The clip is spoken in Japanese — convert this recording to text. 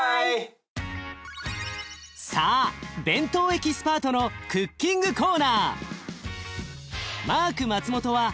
さあ弁当エキスパートのクッキングコーナー。